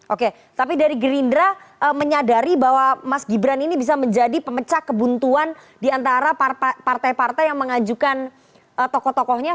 oke tapi dari gerindra menyadari bahwa mas gibran ini bisa menjadi pemecah kebuntuan diantara partai partai yang mengajukan tokoh tokohnya